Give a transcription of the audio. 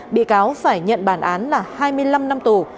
bị cáo phải nhận bản án là hai mươi năm năm tù